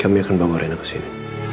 kami akan bangun rena kesini